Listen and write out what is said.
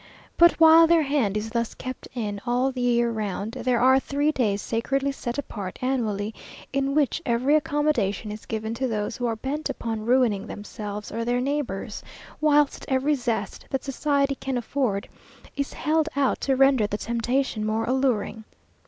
But while their hand is thus kept in all the year round, there are three days sacredly set apart annually, in which every accommodation is given to those who are bent upon ruining themselves or their neighbours; whilst every zest that society can afford, is held out to render the temptation more alluring.